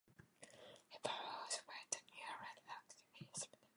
Her property was willed to New York's Lenox Hill Hospital.